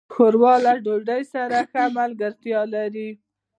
ښوروا له ډوډۍ سره ښه ملګرتیا لري.